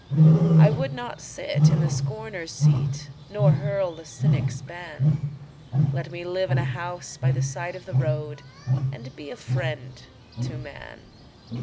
I would not sit in the scorner's seat Nor hurl the cynic's ban Let me live in a house by the side of the road And be a friend to man.